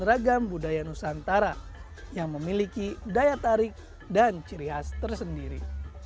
beragam budaya nusantara yang memiliki daya tarik dan ciri khas tersendiri